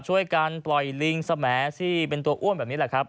ช่วยการปล่อยลิงสมแอที่เป็นตัวอ้วนแบบนี้แหละครับ